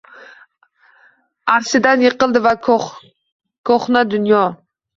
Arshidan yiqildi va ko’hna dunyo —